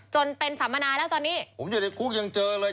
จนเป็นสัมมนาแล้วตอนนี้ผมอยู่ในคุกยังเจอเลย